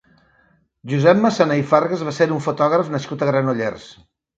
Josep Masana i Fargas va ser un fotògraf nascut a Granollers.